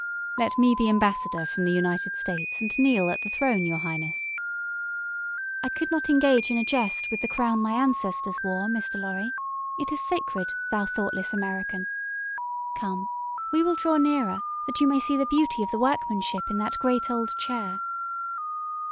"Let me be ambassador from the United States and kneel at the throne, your Highness." "I could not engage in a jest with the crown my ancestors wore, Mr. Lorry. It is sacred, thou thoughtless American. Come, we will draw nearer that you may see the beauty of the workmanship in that great old chair."